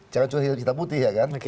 jangan cuma hitam putih ya kan